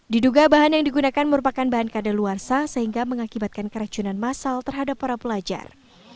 diduga bahan yang digunakan merupakan bahan kadaluarsa sehingga mengakibatkan keracunan masal terhadap para pelajar